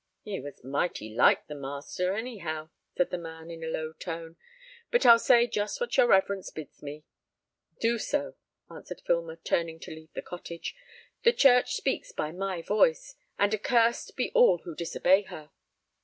"He was mighty like the master, any how," said the man, in a low tone; "but I'll say just what your reverence bids me." "Do so," answered Filmer, turning to leave the cottage; "the church speaks by my voice, and accursed be all who disobey her!"